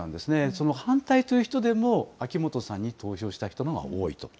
その反対という人でも、秋元さんに投票した人のほうが多いと。